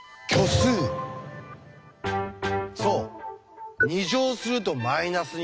そう。